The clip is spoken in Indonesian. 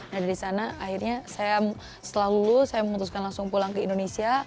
nah dari sana akhirnya saya setelah lulus saya memutuskan langsung pulang ke indonesia